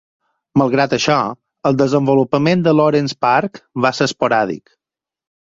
Malgrat això, el desenvolupament de Lawrence Park va ser esporàdic.